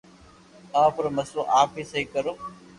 آپ رو مسلو آپ اي سھو ڪرو